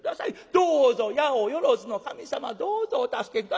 どうぞ八百万の神様どうぞお助け下さい」。